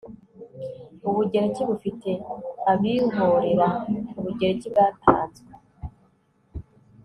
ubugereki bufite abihorera, ubugereki bwatanzwe